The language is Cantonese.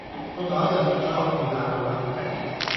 個袋就跌左落地下道啦